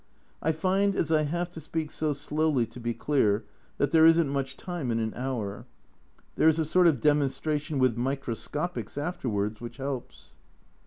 I find as I have to speak so slowly to be clear, that there isn't much time in an hour. There is a sort of demonstration with microscopies afterwards which helps.